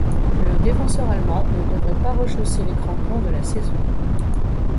Le défenseur allemand ne devrait pas rechausser les crampons de la saison.